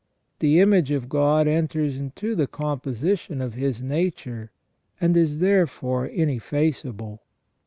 The image of God enters into the composi tion of his nature, and is therefore ineffaceable.